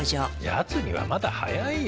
やつにはまだ早いよ。